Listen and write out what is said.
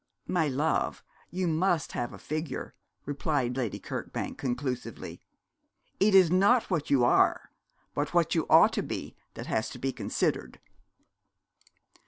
'My love, you must have a figure,' replied Lady Kirkbank, conclusively. 'It is not what you are, but what you ought to be that has to be considered.'